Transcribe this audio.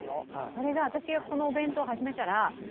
それが私がこのお弁当始めたら＃